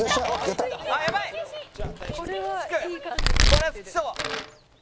これはつきそう」